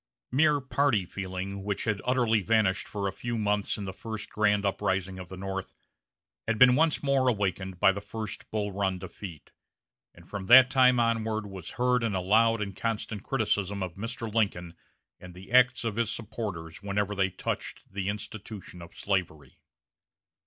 Mere party feeling, which had utterly vanished for a few months in the first grand uprising of the North, had been once more awakened by the first Bull Run defeat, and from that time onward was heard in loud and constant criticism of Mr. Lincoln and the acts of his supporters wherever they touched the institution of slavery.